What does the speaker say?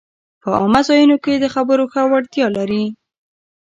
په عامه ځایونو کې د خبرو ښه وړتیا لري